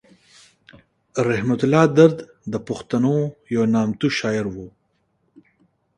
رحمت الله درد د پښتنو یو نامتو شاعر و.